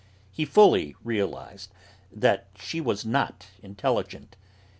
He fully realised that she was not intelligent.